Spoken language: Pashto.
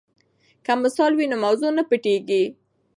که مثال وي نو موضوع نه پټیږي.